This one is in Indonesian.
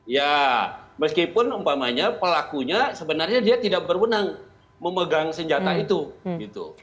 ya meskipun umpamanya pelakunya sebenarnya dia tidak berwenang memegang senjata itu gitu